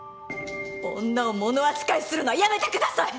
女を物扱いするのはやめてください！